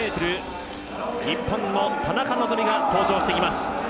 日本の田中希実が登場してきます。